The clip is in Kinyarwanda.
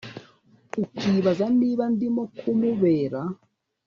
ukibaza niba ndimo kumubera